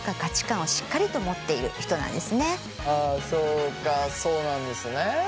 あそうかそうなんですね。